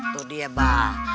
tuh dia mbak